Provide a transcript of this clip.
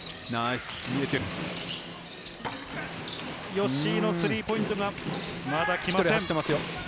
吉井のスリーポイントがまだ決まりません。